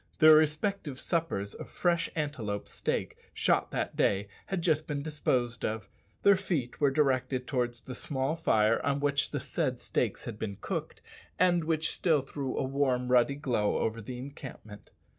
Their respective suppers of fresh antelope steak, shot that day, had just been disposed of. Their feet were directed towards the small fire on which the said steaks had been cooked, and which still threw a warm, ruddy glow over the encampment.